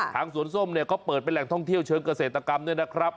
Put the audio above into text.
สวนส้มเนี่ยเขาเปิดเป็นแหล่งท่องเที่ยวเชิงเกษตรกรรมด้วยนะครับ